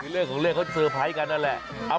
เรื่องของเรื่องเขาเซอร์ไพรส์กันนั่นแหละ